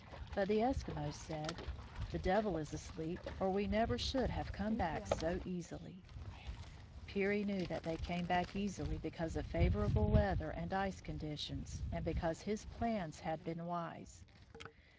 But the Eskimos said, " The devil is asleep, or we never should have come back so easily !" Peary knew that they came back easily because of favorable weather and ice conditions, and be cause his plans had been wise.